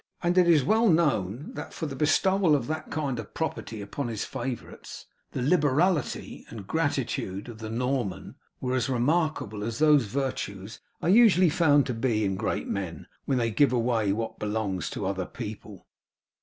And it is well known that for the bestowal of that kind of property upon his favourites, the liberality and gratitude of the Norman were as remarkable as those virtues are usually found to be in great men when they give away what belongs to other people.